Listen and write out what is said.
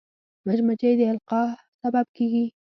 مچمچۍ د القاح سبب کېږي